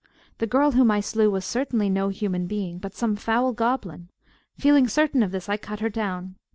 The girl whom I slew was certainly no human being, but some foul goblin: feeling certain of this, I cut her down.